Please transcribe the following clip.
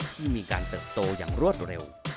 ที่มีการเติบโตอย่างรวดเร็ว